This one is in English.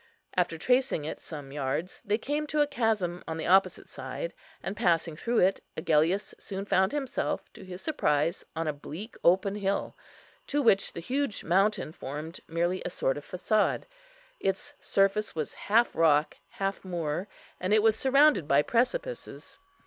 After tracing it some yards, they came to a chasm on the opposite side; and, passing through it, Agellius soon found himself, to his surprise, on a bleak open hill, to which the huge mountain formed merely a sort of façade. Its surface was half rock, half moor, and it was surrounded by precipices.